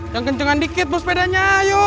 yang kenceng dikit bus pedanya